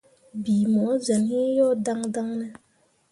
Bii mu zen iŋ yo daŋdaŋ ne ?